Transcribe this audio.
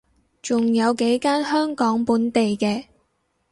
仲有幾間香港本地嘅